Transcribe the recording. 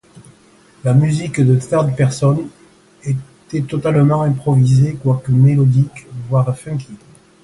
La musique de Third Person était totalement improvisée, quoique mélodique, voire funky.